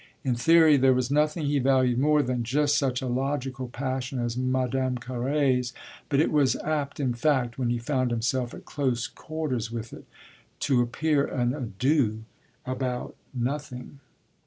In theory there was nothing he valued more than just such a logical passion as Madame Carré's, but it was apt in fact, when he found himself at close quarters with it, to appear an ado about nothing.